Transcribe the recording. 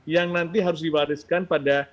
yang nanti harus diwariskan pada